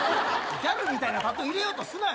ギャルみたいなタトゥー、入れようとすなよ。